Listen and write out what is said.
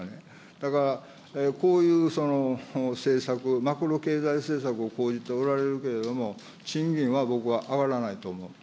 だから、こういう政策、マクロ経済政策を講じておられるけれども、賃金は僕は上がらないと思う。